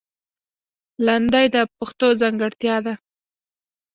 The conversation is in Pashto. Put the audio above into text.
لندۍ د پښتو ځانګړتیا ده